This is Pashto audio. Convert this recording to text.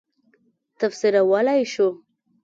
تفسیرولای شو.